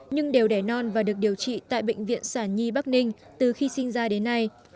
nhưng đều đẻ non và được điều trị tại bệnh viện sản nhi bắc ninh từ khi sinh ra đến nay